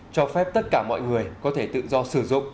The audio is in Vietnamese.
cho phép tất cả mọi người có thể tự do sử dụng